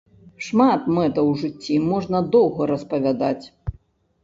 Шмат мэтаў у жыцці, можна доўга распавядаць.